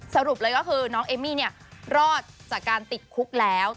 สรุปเลยก็คือน้องเอมมี่รอดจากการติดคุกแล้ว